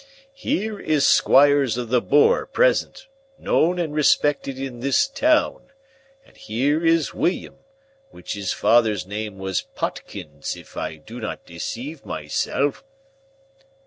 Here is Squires of the Boar present, known and respected in this town, and here is William, which his father's name was Potkins if I do not deceive myself."